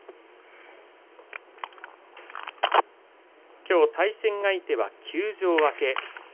きょう対戦相手は休場明け